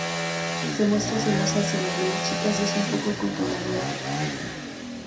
Se muestra celosa hacia las demás chicas y es un poco controladora.